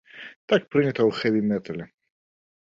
Так прынята ў хэві-метале!